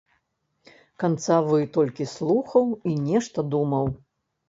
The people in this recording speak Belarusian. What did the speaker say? Канцавы толькі слухаў і нешта думаў.